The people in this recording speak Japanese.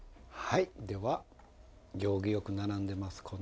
はいでは行儀良く並んでます